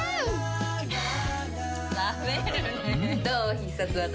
必殺技。